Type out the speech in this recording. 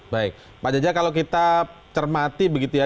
baik pak jaja kalau kita cermati begitu ya